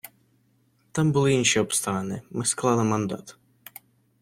Там були інші обставини, ми склали мандат.